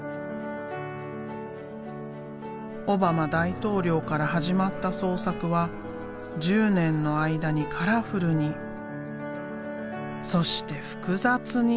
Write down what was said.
オバマ大統領から始まった創作は１０年の間にカラフルにそして複雑に。